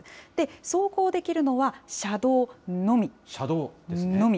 走行できるのは車道のみ。のみ。